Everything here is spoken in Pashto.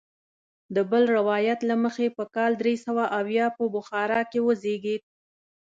د بل روایت له مخې په کال درې سوه اویا په بخارا کې وزیږېد.